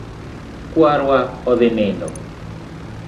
Kwar wa odhi nindo